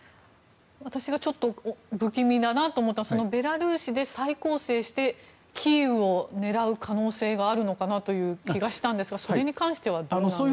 私がちょっと不気味だなと思ったのはベラルーシで再構成してキーウを狙う可能性があるのかなという気がしたんですがそれに関してはどうなんでしょう。